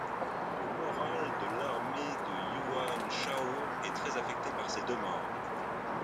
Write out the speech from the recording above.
Le moral de l'armée de Yuan Shao est très affecté par ces deux morts.